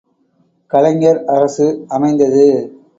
கலைஞர் அரசு, அமைந்தது!